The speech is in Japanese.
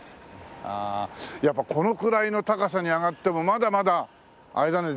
ああやっぱりこのくらいの高さに上がってもまだまだあれだね